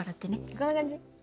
こんな感じ？